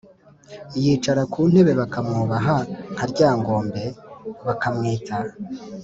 yicara ku ntebe bakamwubaha nka Ryangombe Bakamwita